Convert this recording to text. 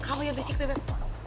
kamu yang berisik bebek